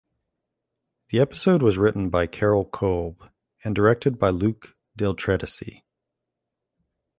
The episode was written by Carol Kolb and directed by Luke Del Tredici.